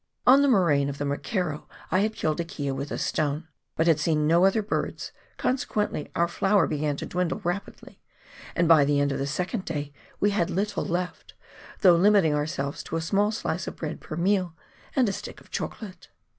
On the moraine of the McKerrow I had killed a kea with a stone, but had seen no other birds, consequently our flour begiin to dwindle rapidly, and by the end of the second day we had little left, though limiting ourselves to a small slice of bread per meal, and a stick of chocolate.